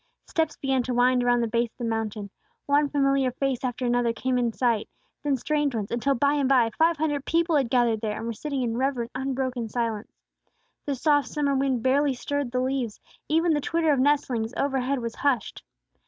Steps began to wind around the base of the mountain. One familiar face after another came in sight, then strange ones, until, by and by, five hundred people had gathered there, and were sitting in reverent, unbroken silence. The soft summer wind barely stirred the leaves; even the twitter of nestlings overhead was hushed.